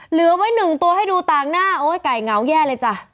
เหลือไว้หนึ่งตัวให้ดูต่างหน้าโอ๊ยไก่เหงาแย่เลยจ้ะ